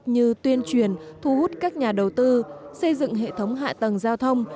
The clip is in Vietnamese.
như tuyên truyền thu hút các nhà đầu tư xây dựng hệ thống hạ tầng giao thông